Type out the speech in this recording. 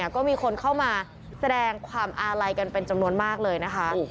ก็มีคนเข้ามาแสดงความอาลัยกันเป็นจำนวนมากเลยนะคะ